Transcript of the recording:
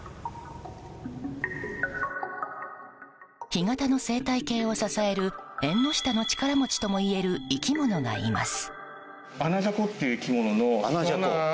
干潟の生態系を支える縁の下の力持ちともいえる生き物がいます。